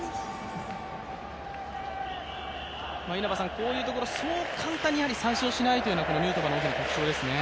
こういうところ、そう簡単に三振をしないというのがヌートバーの大きな特徴ですね。